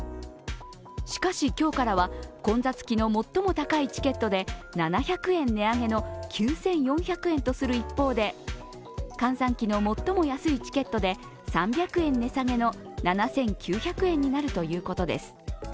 しかし、今日からは混雑期の最も高いチケットで７００円値上げの９４００円とする一方で閑散期の最も安いチケットで３００円値下げの７９００円になるということです。